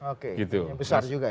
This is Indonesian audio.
oke yang besar juga ya